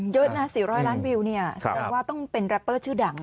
เยอะนะ๔๐๐ล้านวิวเนี่ยแสดงว่าต้องเป็นแรปเปอร์ชื่อดัง